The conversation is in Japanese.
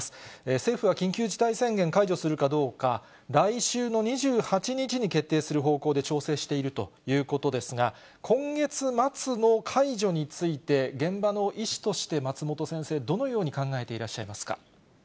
政府は緊急事態宣言、解除するかどうか、来週の２８日に決定する方向で調整しているということですが、今月末の解除について、現場の医師として、松本先生、どのように考えていらっしゃいますか。